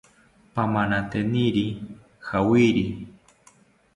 Pamananteniri jawiri